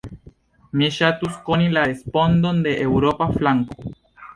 Mi ŝatus koni la respondon de eŭropa flanko.